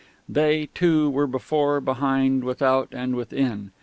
They, too, were before, behind, without, and within.